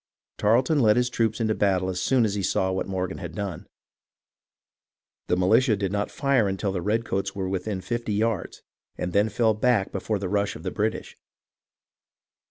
Tarleton led his troops into battle as soon as he saw what Morgan had done. The militia did not fire until the redcoats were within fifty yards, and then fell back before the rush of the British.